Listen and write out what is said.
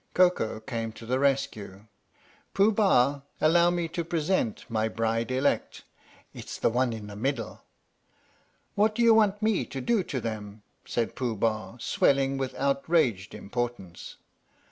Koko came to the rescue. " Pooh Bah, allow me to present my bride elect. It 's the one in the middle." " What do you want me to do to them? " said Pooh Bah, swelling with outraged importance.